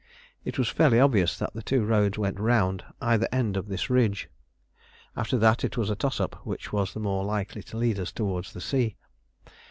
It was fairly obvious that the two roads went round either end of this ridge; after that it was a toss up which was the more likely to lead us towards the sea.